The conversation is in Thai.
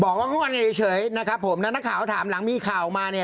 บอกว่างอนกันเฉยนะครับผมแล้วนักข่าวถามหลังมีข่าวออกมาเนี่ย